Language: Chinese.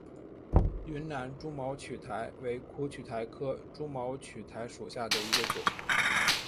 云南蛛毛苣苔为苦苣苔科蛛毛苣苔属下的一个种。